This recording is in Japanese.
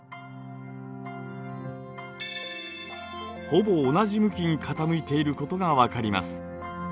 ほぼ同じ向きに傾いていることが分かります。